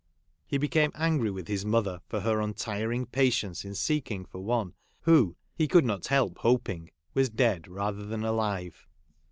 He became angry with his mother for her untiring patience in seeking for one who, he could not help hoping, was dead rather than alive.